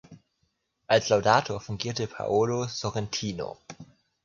Als Laudator fungierte Paolo Sorrentino.